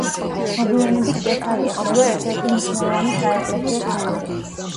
მოგვიანებით კესარია ხდება ერთ–ერთი მნიშვნელოვანი საეკლესიო ცენტრი.